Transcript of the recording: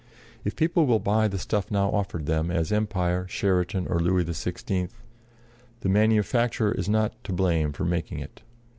If people will buy the stuff now offered them as Empire, Sheraton or Louis XVI, the manufacturer is not to blame for making it.